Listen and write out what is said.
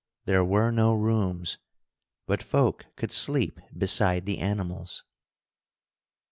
There were no rooms, but folk could sleep beside the animals.